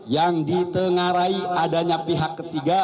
yang ditengarai adanya pihak ketiga